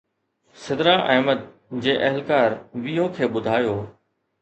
سدرا احمد، جي اهلڪار VO کي ٻڌايو